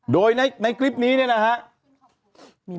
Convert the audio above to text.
โดยในคลิปนี้เนี่ยนะฮะ